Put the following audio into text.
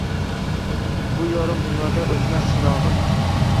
Bu yorug‘ dunyoda o‘chmas chirog‘im